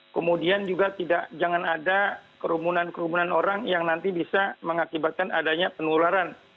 kemudian juga tidak jangan ada kerumunan kerumunan orang yang nanti bisa mengakibatkan adanya penularan